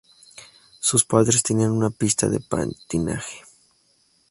Sus padres tenían una pista de patinaje.